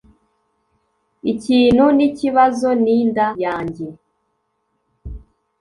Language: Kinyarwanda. Ikintu nikibazo ninda yanjye.